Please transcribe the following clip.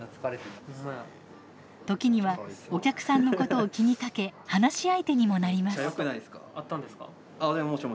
時にはお客さんのことを気にかけ話し相手にもなります。